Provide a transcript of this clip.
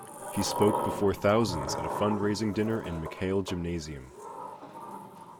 He spoke before thousands at a fund-raising dinner in McHale Gymnasium.